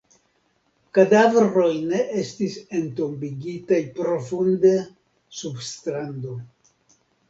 Kadavroj ne estis entombigitaj profunde sub strando.